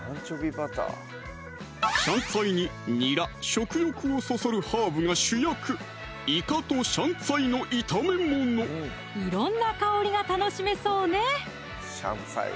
香菜にニラ食欲をそそるハーブが主役色んな香りが楽しめそうね